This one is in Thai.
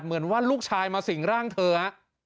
เหมือนว่าลูกชายมาสิ่งร่างเธอฮะ